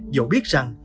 dù biết rằng